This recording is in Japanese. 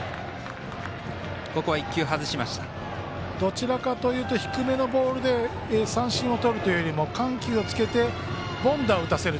どちらかというと低めのボールで三振をとるというよりも緩急をつけて凡打を打たせる。